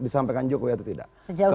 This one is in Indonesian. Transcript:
disampaikan jokowi atau tidak